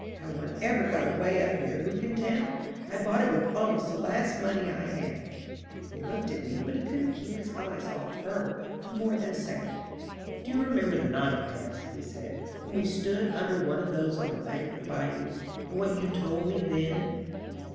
"How one ever got away up here who can tell? I bought it with almost the last money I had." He looked at me, but he couldn't keep his eyes off her for more than a second. "Do you remember the night, Bess," he said, "when we stood under one of those on the bank of the bayou and what you told me then?"